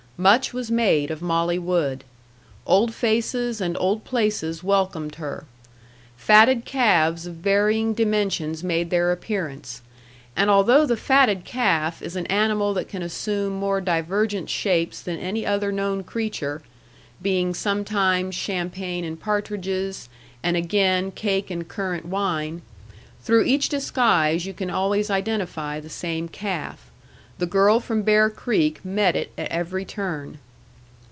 Much was made of Molly Wood. Old faces and old places welcomed her. Fatted calves of varying dimensions made their appearance. And although the fatted calf is an animal that can assume more divergent shapes than any other known creature, being sometimes champagne and partridges, and again cake and currant wine, through each disguise you can always identify the same calf. The girl from Bear Creek met it at every turn.